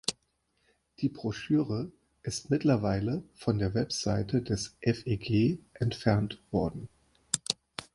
Die Broschüre ist mittlerweile von der Website der FeG entfernt worden.